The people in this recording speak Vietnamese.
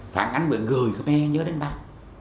phản ánh về người khmer nhớ đến bác